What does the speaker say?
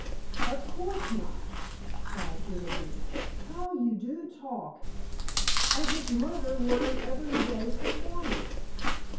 "Of course not!" cried Genevieve. "How you do talk! As if murder were an everyday performance!